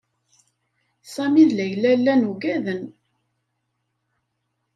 Sami d Layla llan uggaden.